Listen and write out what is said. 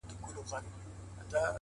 خو مخته دي ځان هر ځلي ملنگ در اچوم ـ